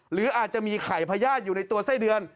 หรืออาจจะมีไข่พญาติอยู่ในตัวไส้เดือน